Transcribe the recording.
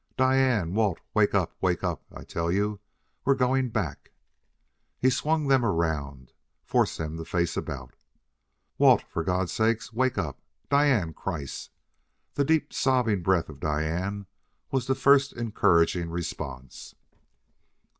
"Diane! Walt! Wake up! Wake up, I tell you! We're going back!" He swung them around; forced them to face about. "Walt, for God's sake, wake up! Diane! Kreiss!" The deep, sobbing breath of Diane was the first encouraging response.